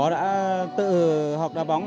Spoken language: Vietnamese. đã tự học đá bóng